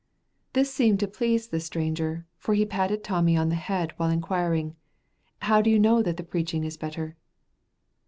This seemed to please the stranger, for he patted Tommy on the head while inquiring, "How do you know that the preaching is better?"